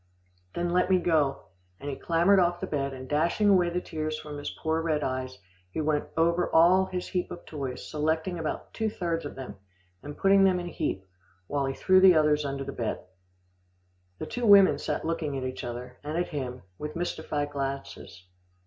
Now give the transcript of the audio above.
"Then let me go," and he clambered off the bed, and dashing away the tears from his poor red eyes, he went over all his heap of toys, selecting about two thirds of them, and putting them in a heap, while he threw the others under the bed. The two women sat looking at each other, and at him, with mystified glances.